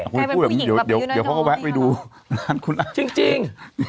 พูดเดี๋ยวเขาก็แวะไปดูร้านคุณอัตจริง